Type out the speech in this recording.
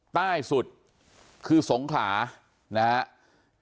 ใต้สุดคือสงขลานะครับ